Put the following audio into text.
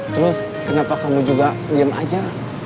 terus kenapa kamu juga diam aja